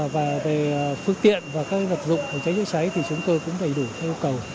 và về phương tiện và các vật dụng phòng cháy chữa cháy thì chúng tôi cũng đầy đủ theo yêu cầu